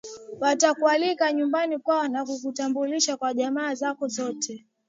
watakualika nyumbani kwao na kukutambulisha kwa jamaa zako zote